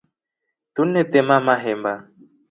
Tunetema mahemba.